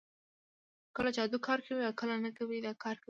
کله جادو کار کوي او کله نه کوي دا کار کوي